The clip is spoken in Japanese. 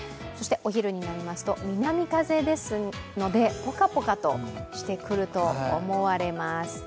そしてお昼になりますと、南風ですので、ポカポカとしてくると思われます。